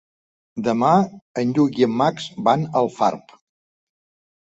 Demà en Lluc i en Max van a Alfarb.